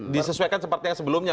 disesuaikan seperti yang sebelumnya